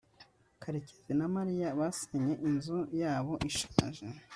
karekezi na mariya basenye inzu yabo ishaje